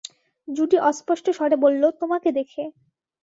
জুডি অস্পষ্ট স্বরে বলল, তোমাকে দেখে।